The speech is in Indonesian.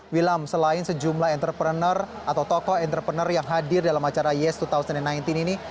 wilam selain sejumlah entrepreneur atau tokoh entrepreneur yang hadir dalam acara yes dua ribu sembilan belas ini